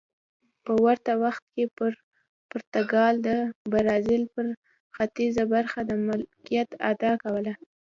په ورته وخت کې پرتګال د برازیل پر ختیځه برخه د مالکیت ادعا کوله.